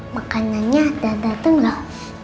makanannya udah dateng loh